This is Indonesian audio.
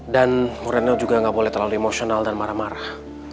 dan bu retno juga gak boleh terlalu emosional dan marah marah